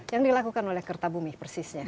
yang dilakukan oleh kerta bumi persisnya